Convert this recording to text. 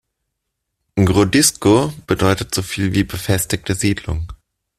Grodzisko bedeutet so viel wie befestigte Siedlung.